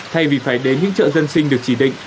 thay vì phải đến những chợ dân sinh được chỉ định